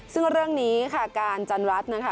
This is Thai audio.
ซึ่งเรื่องนี้ค่ะการจันรัฐนะคะ